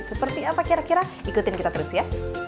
seperti apa kira kira ikutin kita terus ya